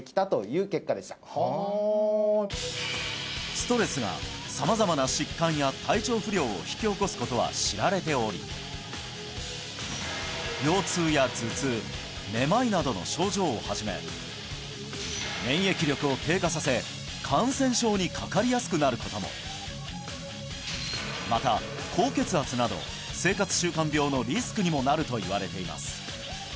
ストレスが様々な疾患や体調不良を引き起こすことは知られており腰痛や頭痛めまいなどの症状をはじめ免疫力を低下させ感染症にかかりやすくなることもまたもなるといわれています